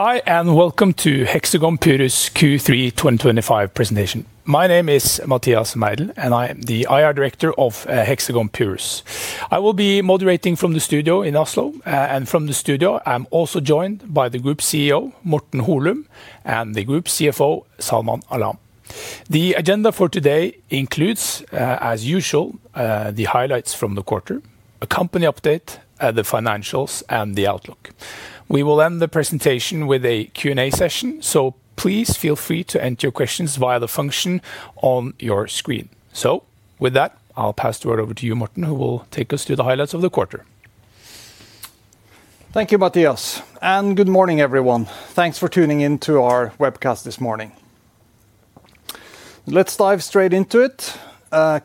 Hi, and welcome to Hexagon Purus Q3 2025 presentation. My name is Mathias Meidell, and I am the IR Director of Hexagon Purus. I will be moderating from the studio in Oslo, and from the studio, I'm also joined by the Group CEO, Morten Holum, and the Group CFO, Salman Alam. The agenda for today includes, as usual, the highlights from the quarter, a company update, the financials, and the outlook. We will end the presentation with a Q&A session. Please feel free to enter your questions via the function on your screen. With that, I'll pass the word over to you, Morten, who will take us through the highlights of the quarter. Thank you, Mathias, and good morning, everyone. Thanks for tuning in to our webcast this morning. Let's dive straight into it.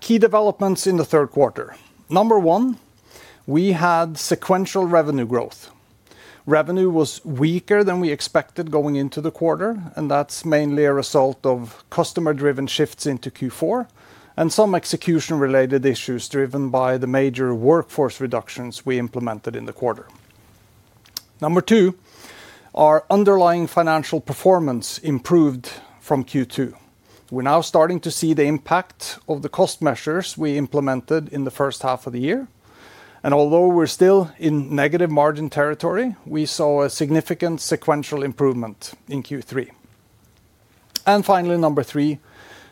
Key developments in the third quarter. Number one, we had sequential revenue growth. Revenue was weaker than we expected going into the quarter, and that's mainly a result of customer-driven shifts into Q4 and some execution-related issues driven by the major workforce reductions we implemented in the quarter. Number two, our underlying financial performance improved from Q2. We're now starting to see the impact of the cost measures we implemented in the first half of the year, and although we're still in negative margin territory, we saw a significant sequential improvement in Q3. Finally, number three,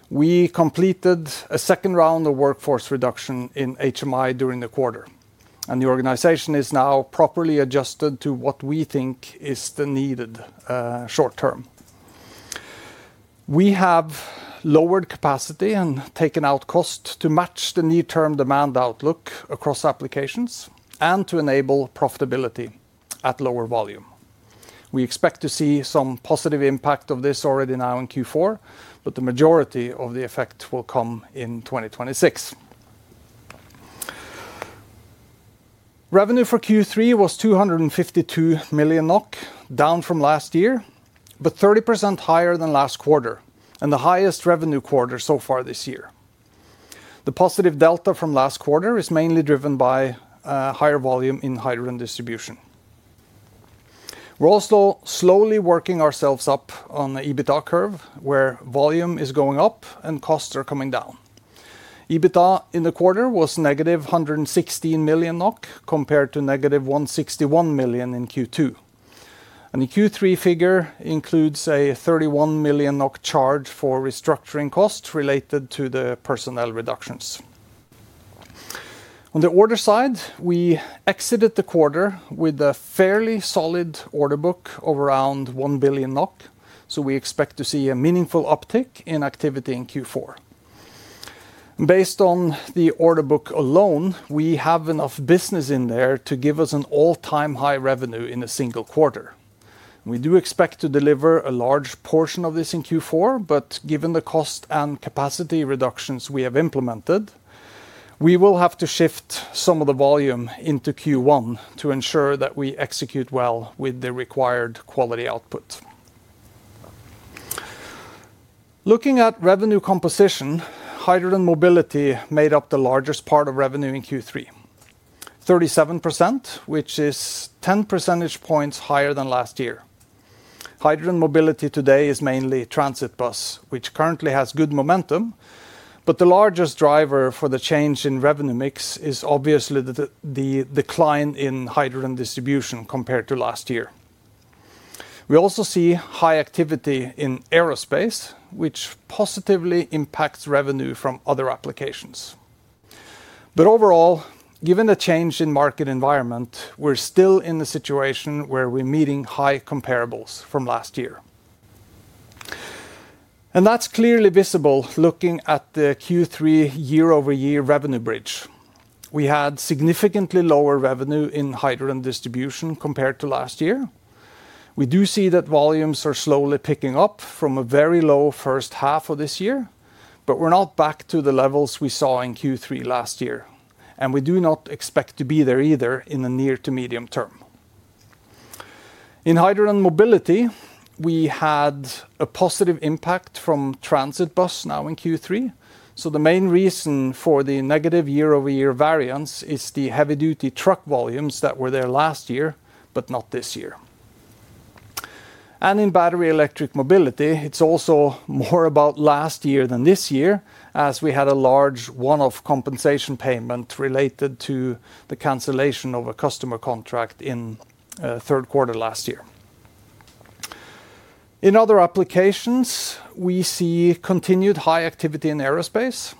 we completed a second round of workforce reduction in HMI during the quarter, and the organization is now properly adjusted to what we think is the needed short term. We have lowered capacity and taken out cost to match the near-term demand outlook across applications and to enable profitability at lower volume. We expect to see some positive impact of this already now in Q4, but the majority of the effect will come in 2026. Revenue for Q3 was 252 million NOK, down from last year, but 30% higher than last quarter, and the highest revenue quarter so far this year. The positive delta from last quarter is mainly driven by higher volume in hydrogen distribution. We're also slowly working ourselves up on the EBITDA curve, where volume is going up and costs are coming down. EBITDA in the quarter was -116 million NOK compared to -161 million in Q2. The Q3 figure includes a 31 million NOK charge for restructuring costs related to the personnel reductions. On the order side, we exited the quarter with a fairly solid order book of around 1 billion NOK, so we expect to see a meaningful uptick in activity in Q4. Based on the order book alone, we have enough business in there to give us an all-time high revenue in a single quarter. We do expect to deliver a large portion of this in Q4, but given the cost and capacity reductions we have implemented, we will have to shift some of the volume into Q1 to ensure that we execute well with the required quality output. Looking at revenue composition, hydrogen mobility made up the largest part of revenue in Q3, 37%, which is 10% higher than last year. Hydrogen mobility today is mainly transit bus, which currently has good momentum, but the largest driver for the change in revenue mix is obviously the decline in hydrogen distribution compared to last year. We also see high activity in aerospace, which positively impacts revenue from other applications. Overall, given the change in market environment, we're still in a situation where we're meeting high comparables from last year. That's clearly visible looking at the Q3 year-over-year revenue bridge. We had significantly lower revenue in hydrogen distribution compared to last year. We do see that volumes are slowly picking up from a very low first half of this year, but we're not back to the levels we saw in Q3 last year, and we do not expect to be there either in the near to medium term. In hydrogen mobility, we had a positive impact from transit bus now in Q3, so the main reason for the negative year-over-year variance is the heavy-duty truck volumes that were there last year, but not this year. In battery electric mobility, it's also more about last year than this year, as we had a large one-off compensation payment related to the cancellation of a customer contract in the third quarter last year. In other applications, we see continued high activity in aerospace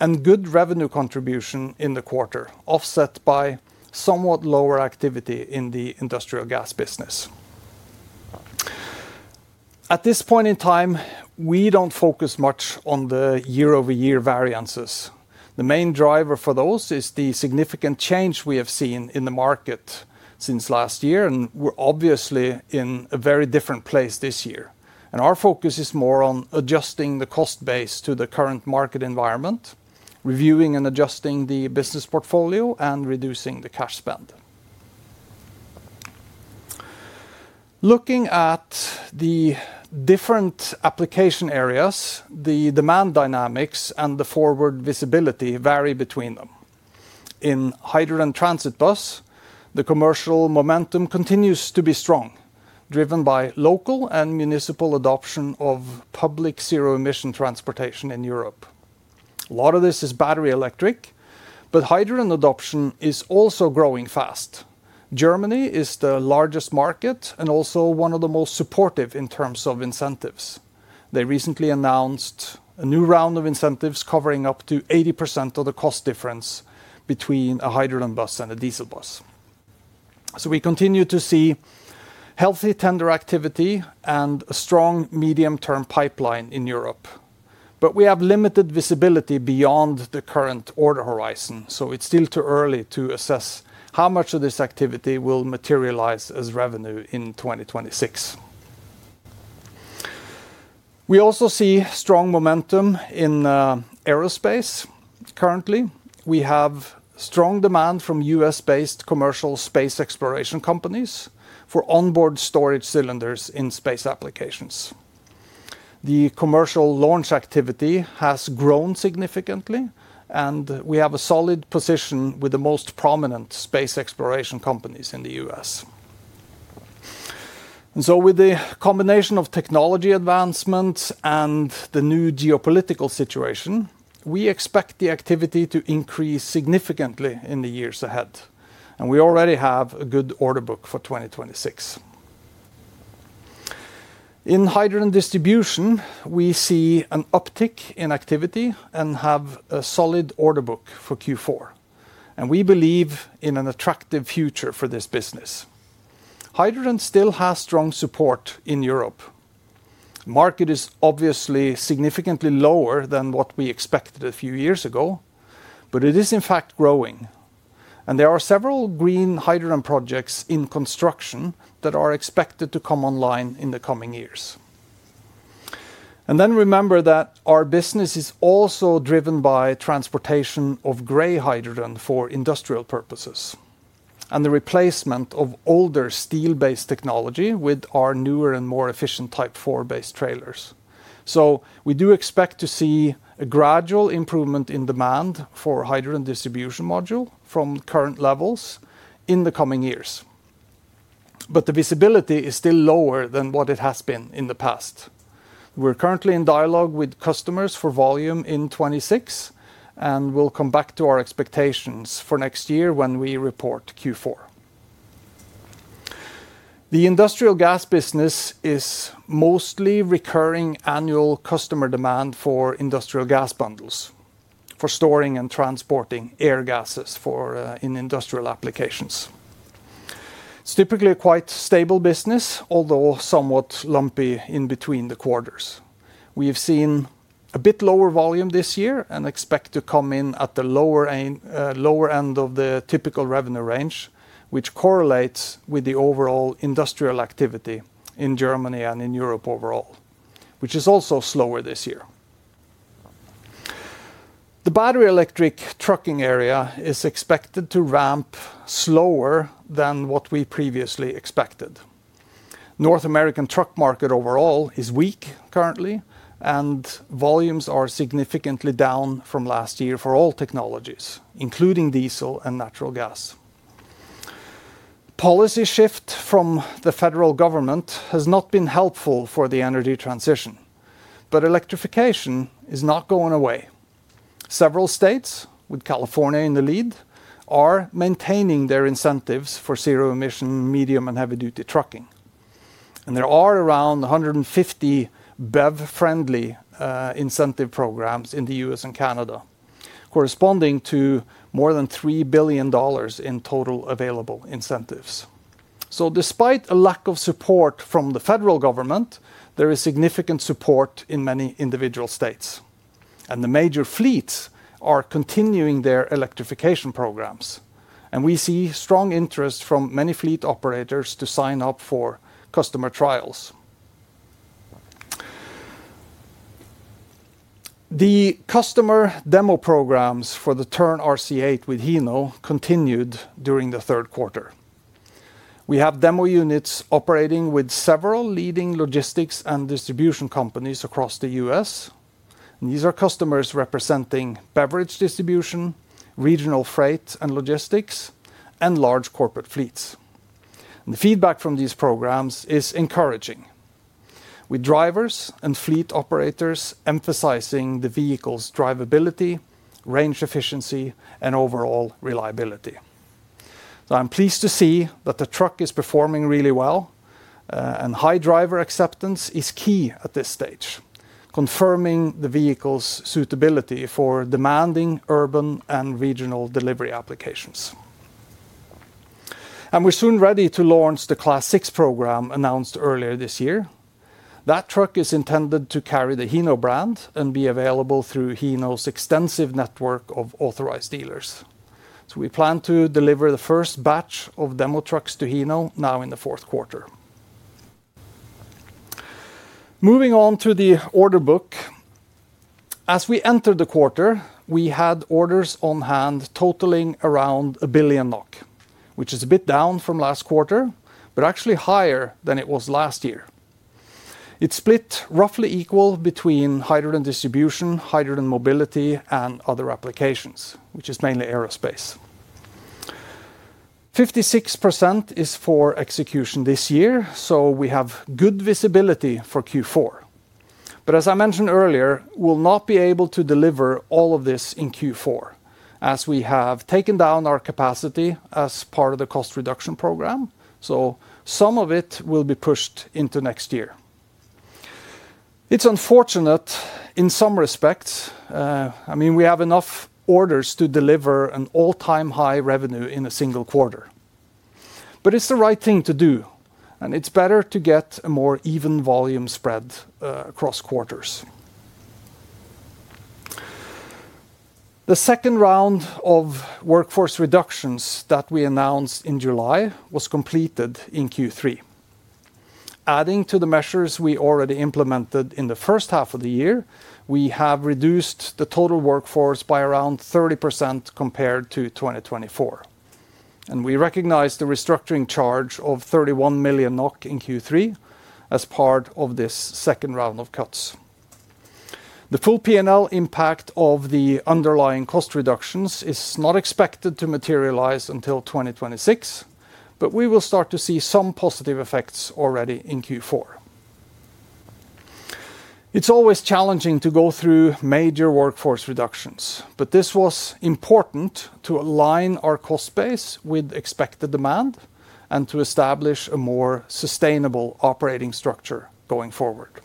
and good revenue contribution in the quarter, offset by somewhat lower activity in the industrial gas businesses. At this point in time, we don't focus much on the year-over-year variances. The main driver for those is the significant change we have seen in the market since last year, and we're obviously in a very different place this year. Our focus is more on adjusting the cost base to the current market environment, reviewing and adjusting the business portfolio, and reducing the cash spend. Looking at the different application areas, the demand dynamics and the forward visibility vary between them. In hydrogen transit bus, the commercial momentum continues to be strong, driven by local and municipal adoption of public zero-emission transportation in Europe. A lot of this is battery electric, but hydrogen adoption is also growing fast. Germany is the largest market and also one of the most supportive in terms of incentives. They recently announced a new round of incentives covering up to 80% of the cost difference between a hydrogen bus and a diesel bus. We continue to see healthy tender activity and a strong medium-term pipeline in Europe, but we have limited visibility beyond the current order horizon. It's still too early to assess how much of this activity will materialize as revenue in 2026. We also see strong momentum in aerospace. Currently, we have strong demand from U.S.-based commercial space exploration companies for onboard storage cylinders in space applications. The commercial launch activity has grown significantly, and we have a solid position with the most prominent space exploration companies in the U.S. With the combination of technology advancements and the new geopolitical situation, we expect the activity to increase significantly in the years ahead, and we already have a good order book for 2026. In hydrogen distribution, we see an uptick in activity and have a solid order book for Q4. We believe in an attractive future for this business. Hydrogen still has strong support in Europe. The market is obviously significantly lower than what we expected a few years ago, but it is in fact growing, and there are several green hydrogen projects in construction that are expected to come online in the coming years. Remember that our business is also driven by transportation of gray hydrogen for industrial purposes and the replacement of older steel-based technology with our newer and more efficient Type 4-based trailers. We do expect to see a gradual improvement in demand for hydrogen distribution module from current levels in the coming years, but the visibility is still lower than what it has been in the past. We're currently in dialogue with customers for volume in 2026, and we'll come back to our expectations for next year when we report Q4. The industrial gas business is mostly recurring annual customer demand for industrial gas bundles for storing and transporting air gases in industrial applications. It's typically a quite stable business, although somewhat lumpy in between the quarters. We have seen a bit lower volume this year and expect to come in at the lower end of the typical revenue range, which correlates with the overall industrial activity in Germany and in Europe overall, which is also slower this year. The battery electric trucking area is expected to ramp slower than what we previously expected. The North American truck market overall is weak currently, and volumes are significantly down from last year for all technologies, including diesel and natural gas. The policy shift from the federal government has not been helpful for the energy transition, but electrification is not going away. Several states, with California in the lead, are maintaining their incentives for zero-emission medium and heavy-duty trucking, and there are around 150 BEV-friendly incentive programs in the U.S. and Canada, corresponding to more than $3 billion in total available incentives. Despite a lack of support from the federal government, there is significant support in many individual states, and the major fleets are continuing their electrification programs. We see strong interest from many fleet operators to sign up for customer trials. The customer demo programs for the Tern RC8 with Hino continued during the third quarter. We have demo units operating with several leading logistics and distribution companies across the U.S., and these are customers representing beverage distribution, regional freight and logistics, and large corporate fleets. The feedback from these programs is encouraging, with drivers and fleet operators emphasizing the vehicle's drivability, range efficiency, and overall reliability. I'm pleased to see that the truck is performing really well, and high driver acceptance is key at this stage, confirming the vehicle's suitability for demanding urban and regional delivery applications. We're soon ready to launch the Class 6 program announced earlier this year. That truck is intended to carry the Hino brand and be available through Hino's extensive network of authorized dealers. We plan to deliver the first batch of demo trucks to Hino now in the fourth quarter. Moving on to the order book, as we entered the quarter, we had orders on hand totaling around 1 billion NOK, which is a bit down from last quarter, but actually higher than it was last year. It is split roughly equal between hydrogen distribution, hydrogen mobility, and other applications, which is mainly aerospace. 56% is for execution this year, so we have good visibility for Q4. As I mentioned earlier, we'll not be able to deliver all of this in Q4, as we have taken down our capacity as part of the cost reduction program, so some of it will be pushed into next year. It's unfortunate in some respects. We have enough orders to deliver an all-time high revenue in a single quarter, but it's the right thing to do, and it's better to get a more even volume spread across quarters. The second round of workforce reductions that we announced in July was completed in Q3. Adding to the measures we already implemented in the first half of the year, we have reduced the total workforce by around 30% compared to 2024, and we recognize the restructuring charge of 31 million NOK in Q3 as part of this second round of cuts. The full P&L impact of the underlying cost reductions is not expected to materialize until 2026, but we will start to see some positive effects already in Q4. It's always challenging to go through major workforce reductions, but this was important to align our cost base with expected demand and to establish a more sustainable operating structure going forward.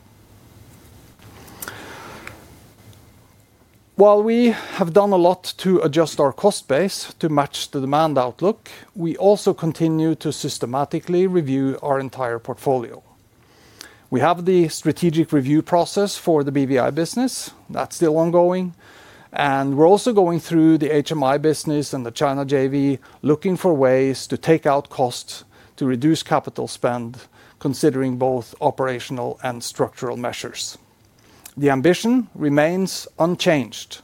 While we have done a lot to adjust our cost base to match the demand outlook, we also continue to systematically review our entire portfolio. We have the strategic review process for the BVI business that's still ongoing, and we're also going through the HIM business and the China JV, looking for ways to take out costs to reduce capital spend, considering both operational and structural measures. The ambition remains unchanged.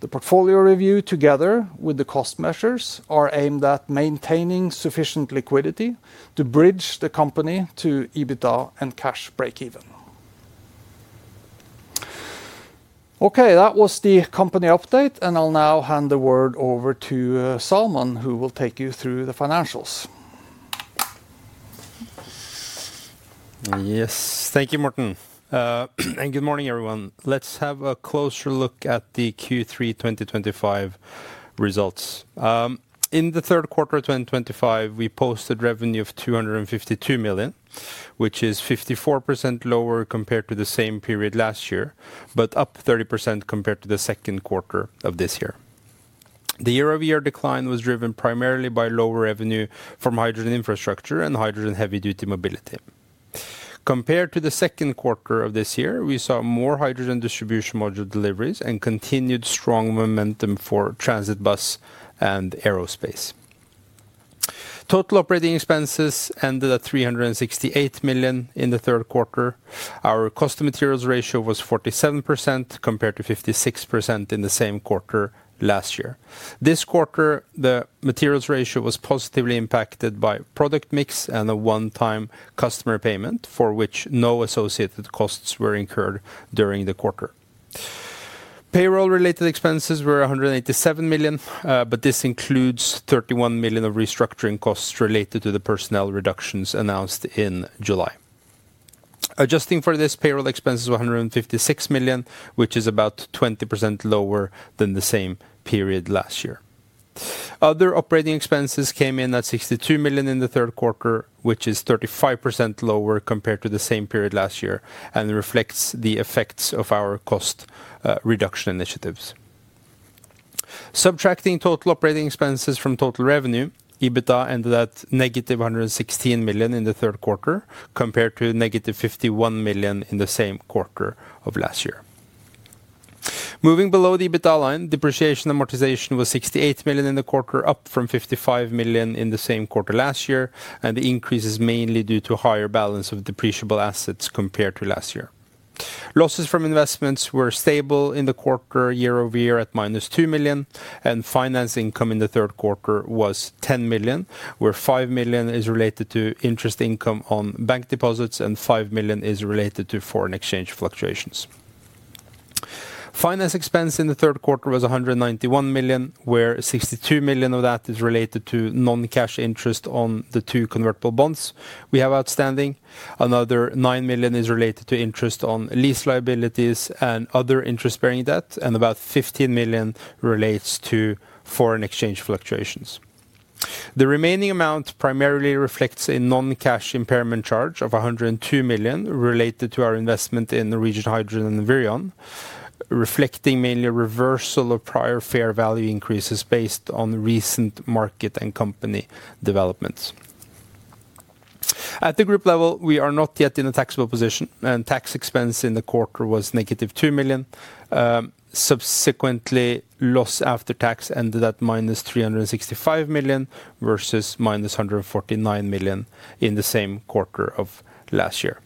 The portfolio review, together with the cost measures, are aimed at maintaining sufficient liquidity to bridge the company to EBITDA and cash break-even. Okay, that was the company update, and I'll now hand the word over to Salman, who will take you through the financials. Yes, thank you, Morten, and good morning, everyone. Let's have a closer look at the Q3 2025 results. In the third quarter of 2025, we posted revenue of 252 million, which is 54% lower compared to the same period last year, but up 30% compared to the second quarter of this year. The year-over-year decline was driven primarily by lower revenue from hydrogen infrastructure and hydrogen heavy-duty mobility. Compared to the second quarter of this year, we saw more hydrogen distribution module deliveries and continued strong momentum for transit bus and aerospace. Total operating expenses ended at 368 million in the third quarter. Our cost of materials ratio was 47% compared to 56% in the same quarter last year. This quarter, the materials ratio was positively impacted by product mix and a one-time customer payment for which no associated costs were incurred during the quarter. Payroll-related expenses were 187 million, but this includes 31 million of restructuring costs related to the personnel reductions announced in July. Adjusting for this, payroll expenses were $15 6 million, which is about 20% lower than the same period last year. Other operating expenses came in at 62 million in the third quarter, which is 35% lower compared to the same period last year and reflects the effects of our cost reduction initiatives. Subtracting total operating expenses from total revenue, EBITDA ended at negative 116 million in the third quarter compared to negative 51 million in the same quarter of last year. Moving below the EBITDA line, depreciation amortization was 68 million in the quarter, up from 55 million in the same quarter last year, and the increase is mainly due to a higher balance of depreciable assets compared to last year. Losses from investments were stable in the quarter, year-over-year, at -2 million, and finance income in the third quarter was 10 million, where 5 million is related to interest income on bank deposits and 5 million is related to foreign exchange fluctuations. Finance expense in the third quarter was 191 million, where 62 million of that is related to non-cash interest on the two convertible bonds we have outstanding. Another 9 million is related to interest on lease liabilities and other interest-bearing debt, and about 15 million relates to foreign exchange fluctuations. The remaining amount primarily reflects a non-cash impairment charge of 102 million related to our investment in Norwegian Hydrogen and Vireon, reflecting mainly a reversal of prior fair value increases based on recent market and company developments. At the group level, we are not yet in a taxable position, and tax expense in the quarter was negative 2 million. Subsequently, loss after tax ended at -365 million versus -149 million in the same quarter of last year.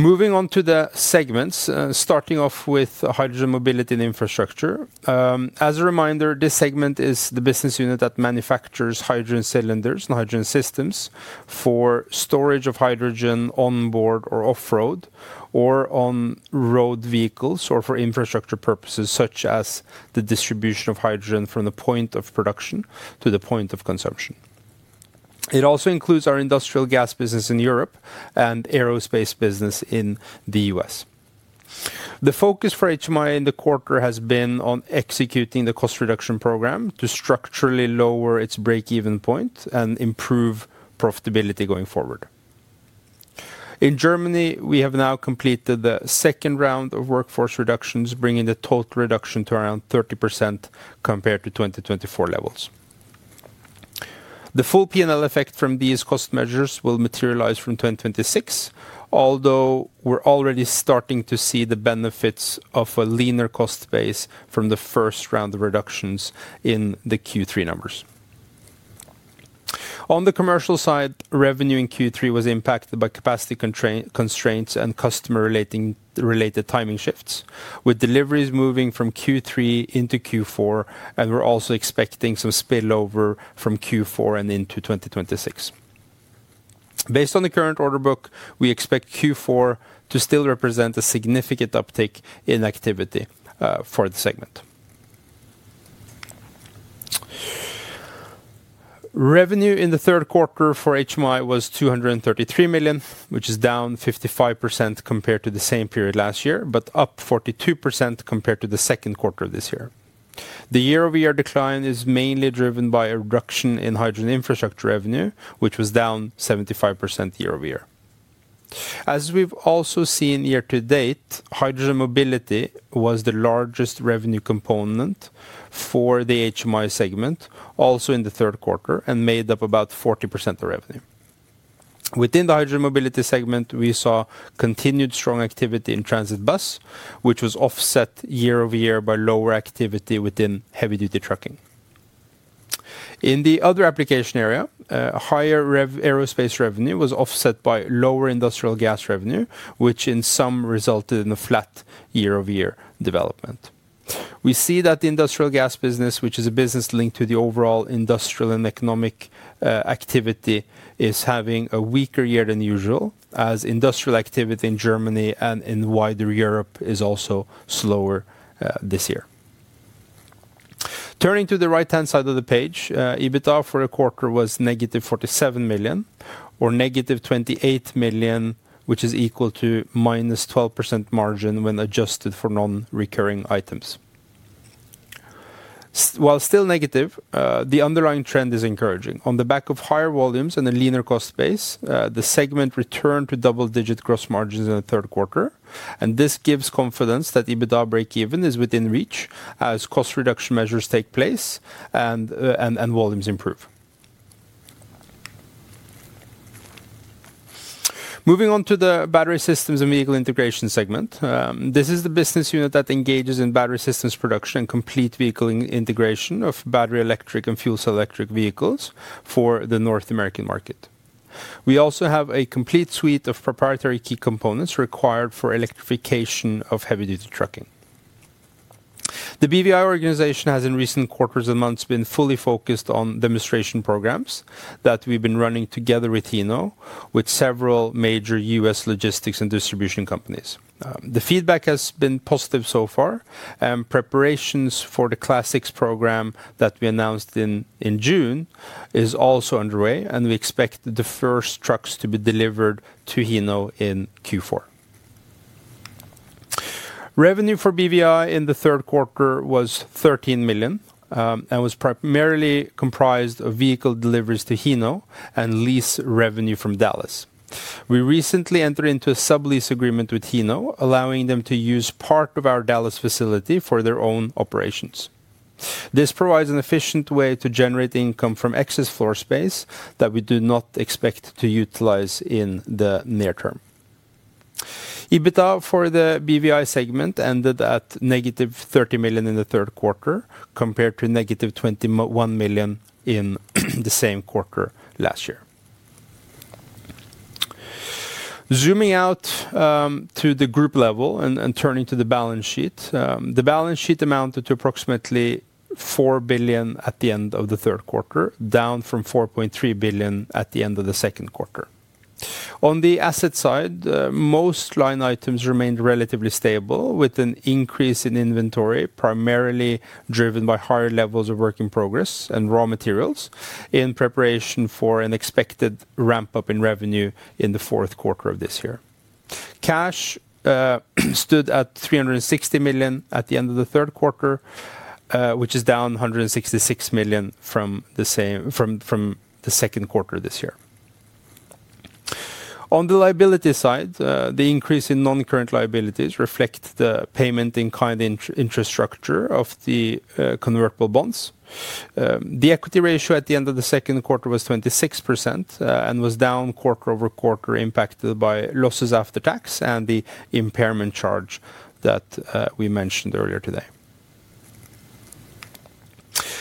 Moving on to the segments, starting off with hydrogen mobility and infrastructure. As a reminder, this segment is the business unit that manufactures hydrogen cylinders and hydrogen systems for storage of hydrogen on board or off-road, or on-road vehicles, or for infrastructure purposes such as the distribution of hydrogen from the point of production to the point of consumption. It also includes our industrial gas business in Europe and aerospace business in the U.S. The focus for HMI in the quarter has been on executing the cost reduction program to structurally lower its break-even point and improve profitability going forward. In Germany, we have now completed the second round of workforce reductions, bringing the total reduction to around 30% compared to 2024 levels. The full P&L effect from these cost measures will materialize from 2026, although we're already starting to see the benefits of a leaner cost base from the first round of reductions in the Q3 numbers. On the commercial side, revenue in Q3 was impacted by capacity constraints and customer-related timing shifts, with deliveries moving from Q3 into Q4, and we're also expecting some spillover from Q4 and into 2026. Based on the current order book, we expect Q4 to still represent a significant uptick in activity for the segment. Revenue in the third quarter for HMI was 233 million, which is down 55% compared to the same period last year, but up 42% compared to the second quarter of this year. The year-over-year decline is mainly driven by a reduction in hydrogen infrastructure revenue, which was down 75% year-over-year. As we've also seen year to date, hydrogen mobility was the largest revenue component for the HMI segment, also in the third quarter, and made up about 40% of revenue. Within the hydrogen mobility segment, we saw continued strong activity in transit bus, which was offset year-over-year by lower activity within heavy-duty trucking. In the other application area, higher aerospace revenue was offset by lower industrial gas revenue, which in sum resulted in a flat year-over-year development. We see that the industrial gas business, which is a business linked to the overall industrial and economic activity, is having a weaker year than usual, as industrial activity in Germany and in wider Europe is also slower this year. Turning to the right-hand side of the page, EBITDA for a quarter was -47 million, or -28 million, which is equal to -12% margin when adjusted for non-recurring items. While still negative, the underlying trend is encouraging. On the back of higher volumes and a leaner cost base, the segment returned to double-digit gross margins in the third quarter, and this gives confidence that EBITDA break-even is within reach as cost reduction measures take place and volumes improve. Moving on to the battery systems and vehicle integration segment, this is the business unit that engages in battery systems production and complete vehicle integration of battery electric and fuel cell electric vehicles for the North American market. We also have a complete suite of proprietary key components required for electrification of heavy-duty trucking. The BVI organization has in recent quarters and months been fully focused on demonstration programs that we've been running together with Hino, with several major U.S. logistics and distribution companies. The feedback has been positive so far, and preparations for the Classics program that we announced in June are also underway, and we expect the first trucks to be delivered to Hino in Q4. Revenue for BVI in the third quarter was 13 million and was primarily comprised of vehicle deliveries to Hino and lease revenue from Dallas. We recently entered into a sublease agreement with Hino, allowing them to use part of our Dallas facility for their own operations. This provides an efficient way to generate income from excess floor space that we do not expect to utilize in the near term. EBITDA for the BVI segment ended at -30 million in the third quarter compared to -21 million in the same quarter last year. Zooming out to the group level and turning to the balance sheet, the balance sheet amounted to approximately 4 billion at the end of the third quarter, down from 4.3 billion at the end of the second quarter. On the asset side, most line items remained relatively stable, with an increase in inventory, primarily driven by higher levels of work in progress and raw materials in preparation for an expected ramp-up in revenue in the fourth quarter of this year. Cash stood at 360 million at the end of the third quarter, which is down 166 million from the second quarter of this year. On the liability side, the increase in non-current liabilities reflects the payment in kind infrastructure of the convertible bonds. The equity ratio at the end of the second quarter was 26% and was down quarter over quarter, impacted by losses after tax and the impairment charge that we mentioned earlier today.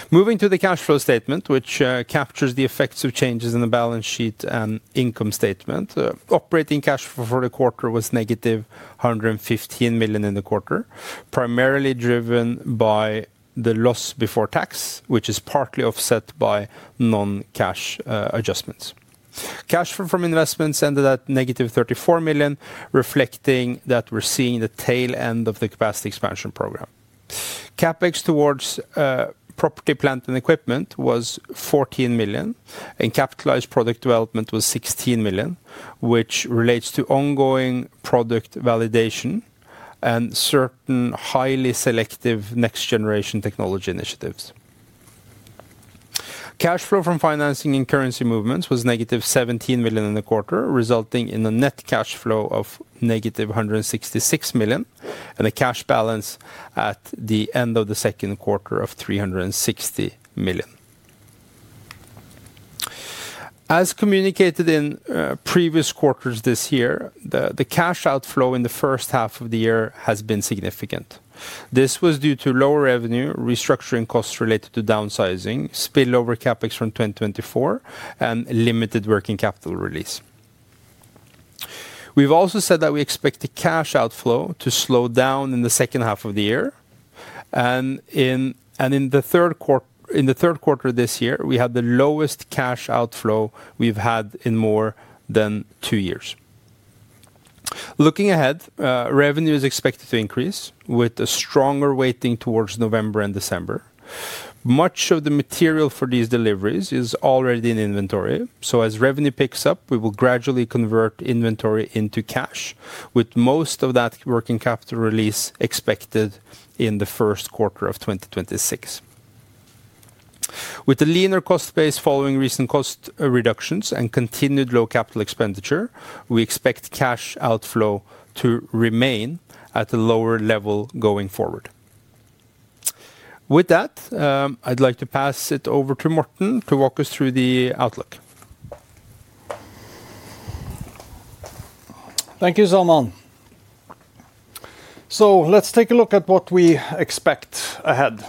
Moving to the cash flow statement, which captures the effects of changes in the balance sheet and income statement, operating cash flow for the quarter was -115 million, primarily driven by the loss before tax, which is partly offset by non-cash adjustments. Cash flow from investments ended at -34 million, reflecting that we're seeing the tail end of the capacity expansion program. CapEx towards property, plant, and equipment was 14 million, and capitalized product development was 16 million, which relates to ongoing product validation and certain highly selective next-generation technology initiatives. Cash flow from financing and currency movements was -17 million in the quarter, resulting in a net cash flow of -166 million and a cash balance at the end of the second quarter of 360 million. As communicated in previous quarters this year, the cash outflow in the first half of the year has been significant. This was due to lower revenue, restructuring costs related to downsizing, spillover CapEx from 2024, and limited working capital release. We've also said that we expect the cash outflow to slow down in the second half of the year, and in the third quarter of this year, we had the lowest cash outflow we've had in more than two years. Looking ahead, revenue is expected to increase with a stronger weighting towards November and December. Much of the material for these deliveries is already in inventory, so as revenue picks up, we will gradually convert inventory into cash, with most of that working capital release expected in the first quarter of 2026. With a leaner cost base following recent cost reductions and continued low capital expenditure, we expect cash outflow to remain at a lower level going forward. With that, I'd like to pass it over to Morten to walk us through the outlook. Thank you, Salman. Let's take a look at what we expect ahead.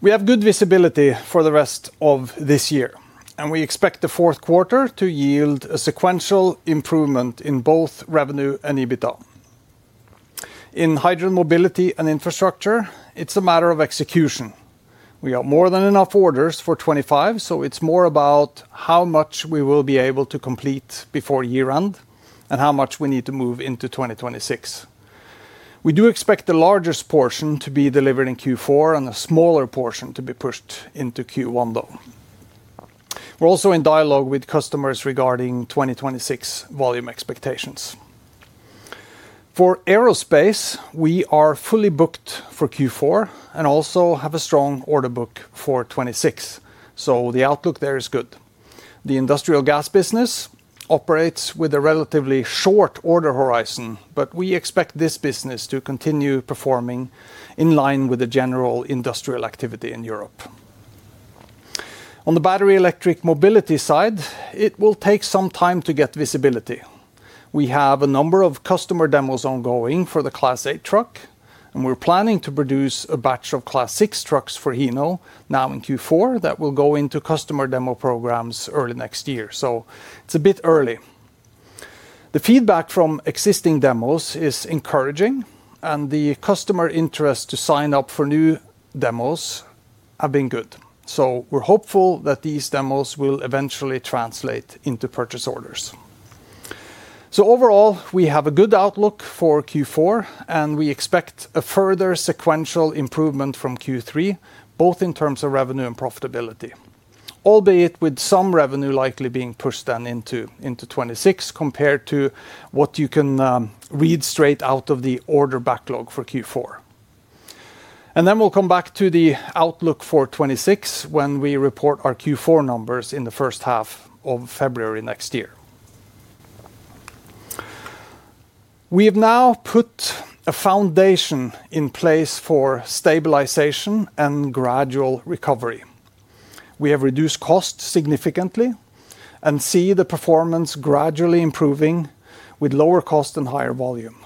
We have good visibility for the rest of this year, and we expect the fourth quarter to yield a sequential improvement in both revenue and EBITDA. In hydrogen mobility and infrastructure, it's a matter of execution. We have more than enough orders for 2025, so it's more about how much we will be able to complete before year-end and how much we need to move into 2026. We do expect the largest portion to be delivered in Q4 and a smaller portion to be pushed into Q1, though. We're also in dialogue with customers regarding 2026 volume expectations. For aerospace, we are fully booked for Q4 and also have a strong order book for 2026, so the outlook there is good. The industrial gas business operates with a relatively short order horizon, but we expect this business to continue performing in line with the general industrial activity in Europe. On the battery electric mobility side, it will take some time to get visibility. We have a number of customer demos ongoing for the Class 8 truck, and we're planning to produce a batch of Class 6 trucks for Hino now in Q4 that will go into customer demo programs early next year, so it's a bit early. The feedback from existing demos is encouraging, and the customer interest to sign up for new demos has been good. We're hopeful that these demos will eventually translate into purchase orders. Overall, we have a good outlook for Q4, and we expect a further sequential improvement from Q3, both in terms of revenue and profitability, albeit with some revenue likely being pushed then into 2026 compared to what you can read straight out of the order backlog for Q4. We'll come back to the outlook for 2026 when we report our Q4 numbers in the first half of February next year. We've now put a foundation in place for stabilization and gradual recovery. We have reduced costs significantly and see the performance gradually improving with lower costs and higher volume.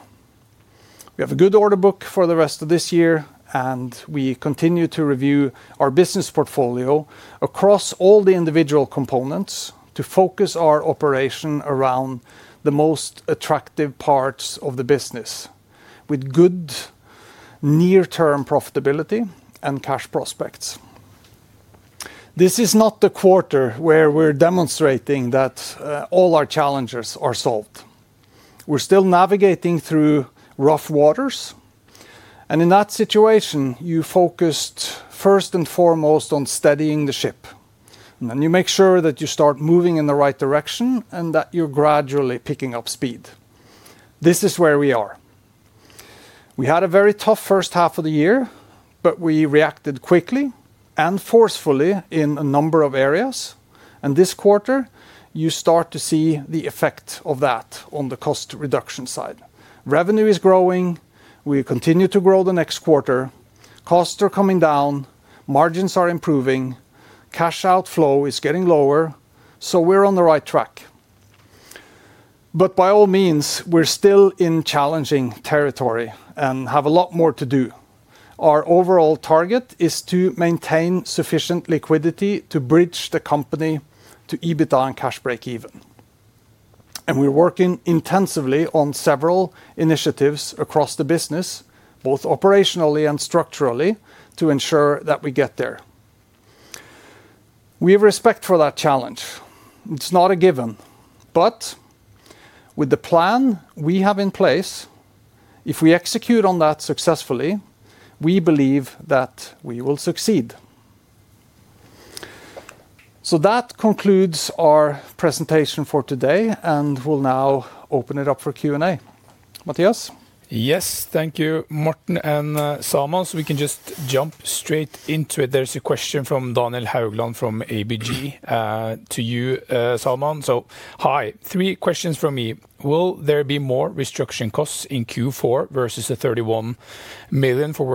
We have a good order book for the rest of this year, and we continue to review our business portfolio across all the individual components to focus our operation around the most attractive parts of the business, with good near-term profitability and cash prospects. This is not the quarter where we're demonstrating that all our challenges are solved. We're still navigating through rough waters, and in that situation, you focus first and foremost on steadying the ship, and then you make sure that you start moving in the right direction and that you're gradually picking up speed. This is where we are. We had a very tough first half of the year, but we reacted quickly and forcefully in a number of areas, and this quarter, you start to see the effect of that on the cost reduction side. Revenue is growing. We continue to grow the next quarter. Costs are coming down. Margins are improving. Cash outflow is getting lower, so we're on the right track. We're still in challenging territory and have a lot more to do. Our overall target is to maintain sufficient liquidity to bridge the company to EBITDA and cash break-even, and we're working intensively on several initiatives across the business, both operationally and structurally, to ensure that we get there. We have respect for that challenge. It's not a given, but with the plan we have in place, if we execute on that successfully, we believe that we will succeed. That concludes our presentation for today, and we'll now open it up for Q&A. Mathias? Yes, thank you, Morten and Salman. We can just jump straight into it. There's a question from Daniel Haugland from ABG to you, Salman. Hi, three questions from me. Will there be more restructuring costs in Q4 versus the 31 million for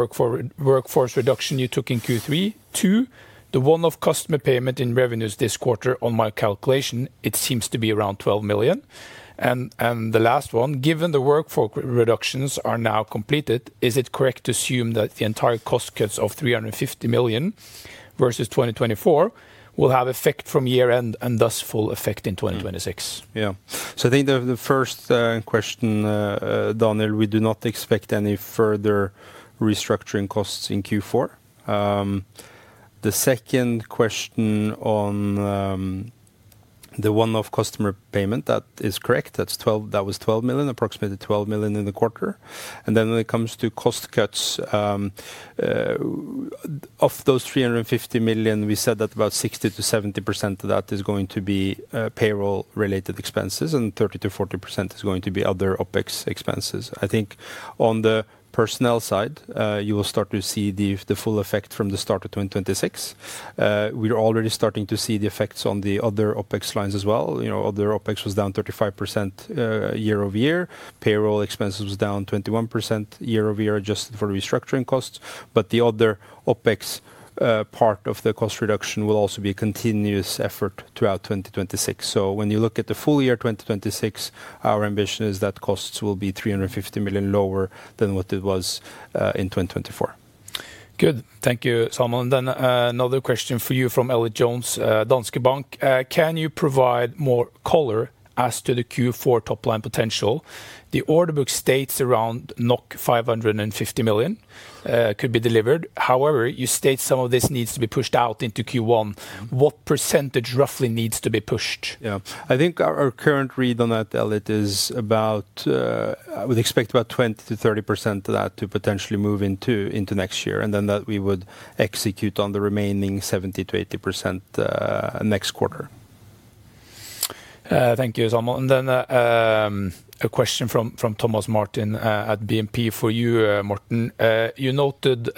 workforce reduction you took in Q3? Two, the one-off customer payment in revenues this quarter, on my calculation, it seems to be around 12 million. The last one, given the workforce reductions are now completed, is it correct to assume that the entire cost cuts of 350 million versus 2024 will have effect from year-end and thus full effect in 2026? Yeah. I think the first question, Daniel, we do not expect any further restructuring costs in Q4. The second question on the one-off customer payment, that is correct. That was 12 million, approximately 12 million in the quarter. When it comes to cost cuts, of those 350 million, we said that about 60%-70% of that is going to be payroll-related expenses, and 30%-40% is going to be other OpEx expenses. I think on the personnel side, you will start to see the full effect from the start of 2026. We're already starting to see the effects on the other OpEx lines as well. Other OpEx was down 35% year-over-year. Payroll expenses were down 21% year-over-year, adjusted for the restructuring costs. The other OpEx part of the cost reduction will also be a continuous effort throughout 2026. When you look at the full year 2026, our ambition is that costs will be 350 million lower than what it was in 2024. Thank you, Salman. Another question for you from Elliot Jones, Danske Bank. Can you provide more color as to the Q4 top line potential? The order book states around 550 million could be delivered. However, you state some of this needs to be pushed out into Q1. What percentage roughly needs to be pushed? Yeah. I think our current read on that, Elliot, is about we'd expect about 20% to 30% of that to potentially move into next year, and that we would execute on the remaining 70% to 80% next quarter. Thank you, Salman. A question from Thomas Martin at BNP for you, Morten. You noted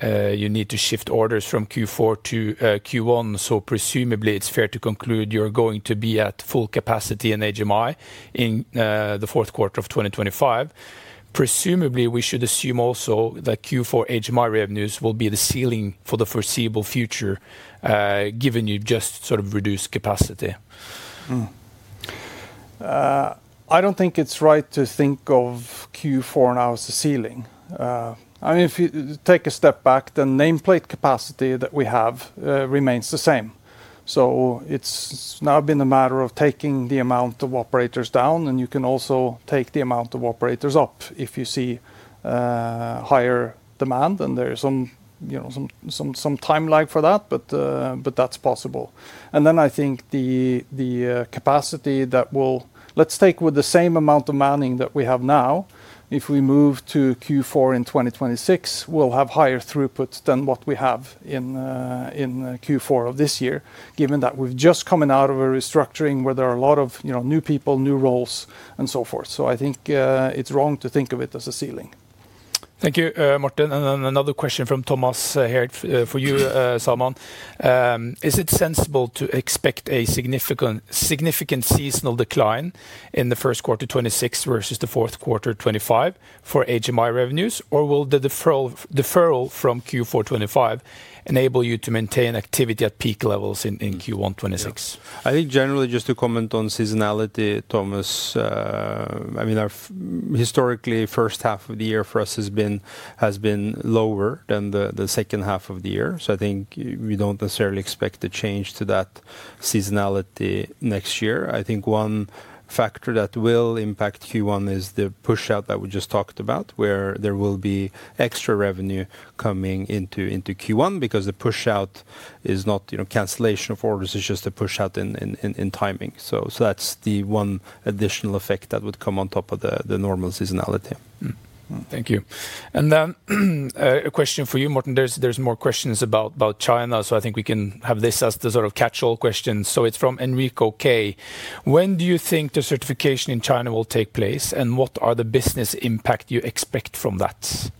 you need to shift orders from Q4 to Q1, so presumably it's fair to conclude you're going to be at full capacity in HMI in the fourth quarter of 2025. Presumably, we should assume also that Q4 HMI revenues will be the ceiling for the foreseeable future, given you just sort of reduced capacity. I don't think it's right to think of Q4 now as the ceiling. If you take a step back, the nameplate capacity that we have remains the same. It's now been a matter of taking the amount of operators down, and you can also take the amount of operators up if you see higher demand, and there is some time lag for that, but that's possible. I think the capacity that we'll take with the same amount of manning that we have now, if we move to Q4 in 2026, we'll have higher throughput than what we have in Q4 of this year, given that we've just come out of a restructuring where there are a lot of new people, new roles, and so forth. I think it's wrong to think of it as a ceiling. Thank you, Morten. Another question from Thomas here for you, Salman. Is it sensible to expect a significant seasonal decline in the first quarter 2026 versus the fourth quarter 2025 for HMI revenues, or will the deferral from Q4 2025 enable you to maintain activity at peak levels in Q1 2026? I think generally, just to comment on seasonality, Thomas, our historically first half of the year for us has been lower than the second half of the year, so I think we don't necessarily expect a change to that seasonality next year. One factor that will impact Q1 is the push-out that we just talked about, where there will be extra revenue coming into Q1 because the push-out is not cancellation of orders, it's just a push-out in timing. That's the one additional effect that would come on top of the normal seasonality. Thank you. A question for you, Morten. There are more questions about China, so we can have this as the sort of catch-all question. It's from Enrico K. When do you think the certification in China will take place, and what are the business impacts you expect from that?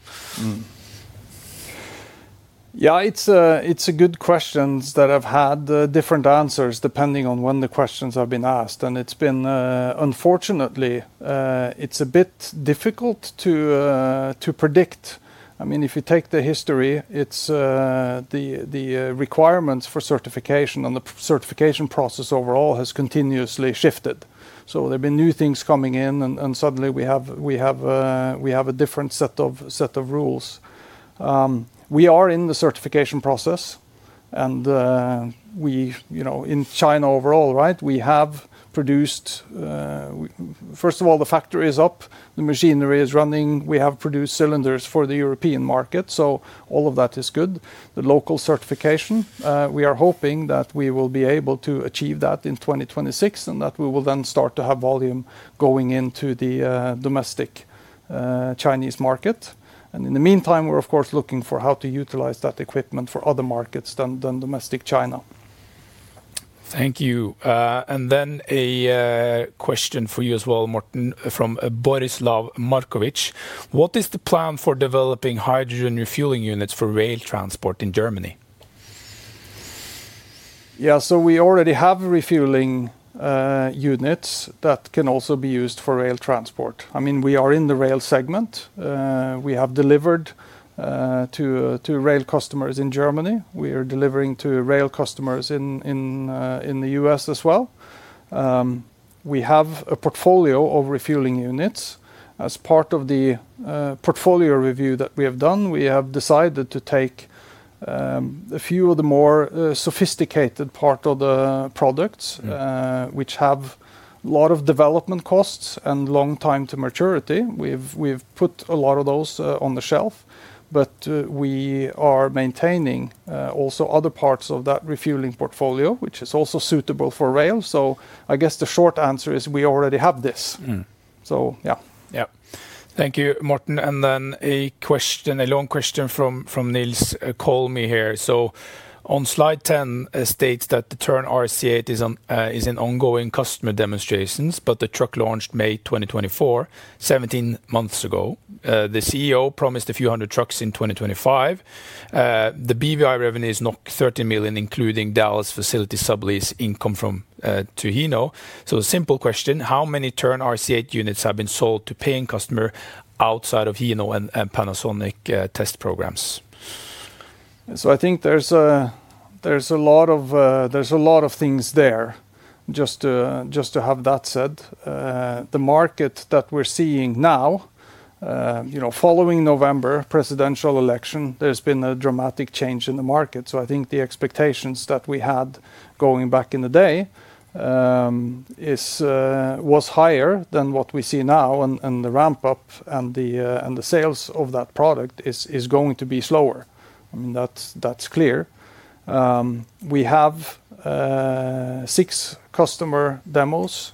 Yeah, it's a good question that I've had different answers depending on when the questions have been asked, and unfortunately, it's a bit difficult to predict. I mean, if you take the history, the requirements for certification and the certification process overall have continuously shifted. There have been new things coming in, and suddenly we have a different set of rules. We are in the certification process, and in China overall, we have produced, first of all, the factory is up, the machinery is running, we have produced cylinders for the European market, so all of that is good. The local certification, we are hoping that we will be able to achieve that in 2026, and that we will then start to have volume going into the domestic Chinese market. In the meantime, we're, of course, looking for how to utilize that equipment for other markets than domestic China. Thank you. A question for you as well, Morten, from Borislav Markovic. What is the plan for developing hydrogen refueling units for rail transport in Germany? Yeah, we already have refueling units that can also be used for rail transport. I mean, we are in the rail segment. We have delivered to rail customers in Germany, and we are delivering to rail customers in the U.S. as well. We have a portfolio of refueling units. As part of the portfolio review that we have done, we have decided to take a few of the more sophisticated parts of the products, which have a lot of development costs and long time to maturity, and we've put a lot of those on the shelf. We are maintaining also other parts of that refueling portfolio, which is also suitable for rail. I guess the short answer is we already have this. Yeah. Thank you, Morten. A question, a long question from Nils Colmi here. On slide 10, it states that the Tern RC8 is in ongoing customer demonstrations, but the truck launched in May 2024, 17 months ago. The CEO promised a few hundred trucks in 2025. The BVI revenue is 13 million, including Dallas facility sublease income from Hino. A simple question, how many Tern RC8 units have been sold to paying customers outside of Hino and Panasonic test programs? I think there's a lot of things there. Just to have that said, the market that we're seeing now, following the November presidential election, there's been a dramatic change in the market. I think the expectations that we had going back in the day were higher than what we see now, and the ramp-up and the sales of that product are going to be slower. I mean, that's clear. We have six customer demos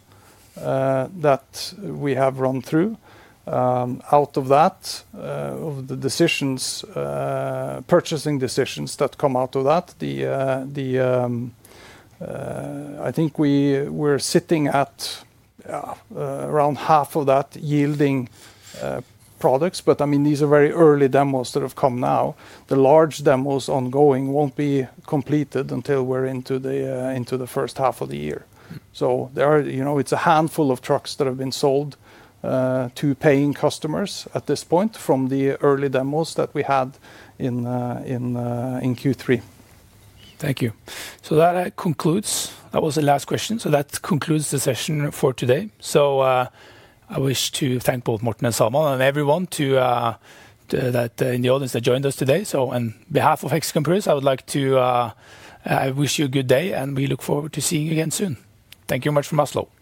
that we have run through. Out of that, of the purchasing decisions that come out of that, I think we're sitting at around half of that yielding products. I mean, these are very early demos that have come now. The large demos ongoing won't be completed until we're into the first half of the year. It's a handful of trucks that have been sold to paying customers at this point from the early demos that we had in Q3. Thank you. That was the last question. That concludes the session for today. I wish to thank both Morten and Salman and everyone in the audience that joined us today. On behalf of Hexagon Purus, I would like to wish you a good day, and we look forward to seeing you again soon. Thank you very much from Oslo.